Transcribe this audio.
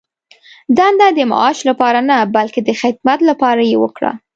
دنده د معاش لپاره نه، بلکې د خدمت لپاره یې وکړه.